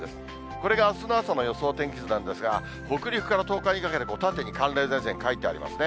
これがあすの朝の予想天気図なんですが、北陸から東海にかけて縦に寒冷前線書いてありますね。